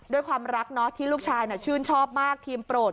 ด้วยความรักที่ลูกชายชื่นชอบมากทีมโปรด